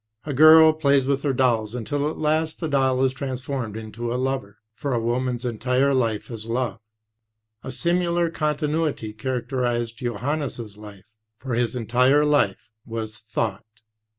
A girl plays with her dolls until at last the doll is transformed into a lover, for a woman's entire life is love. A similar continuity characterized Johannes' life, for his entire life was thought."